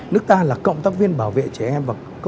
nước ta là cộng tác viên bảo vệ trẻ em